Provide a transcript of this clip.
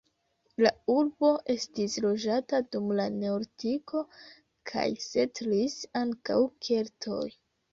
La urbo estis loĝata dum la neolitiko kaj setlis ankaŭ keltoj.